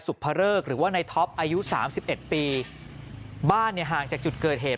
สุบพระเลิกหรือว่าในท็อปอายุ๓๑ปีบ้านห่างจากจุดเกิดเหตุ